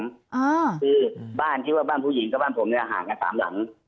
คือบ้านที่ว่าบ้านผู้หญิงกับบ้านผมเนี่ยห่างกันสามหลัง